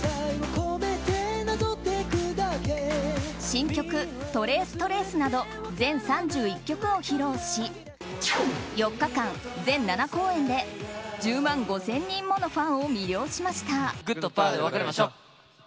新曲「ＴｒａｃｅＴｒａｃｅ」など全３１曲を披露し４日間、全７公演で１０万５０００人ものファンを魅了しました。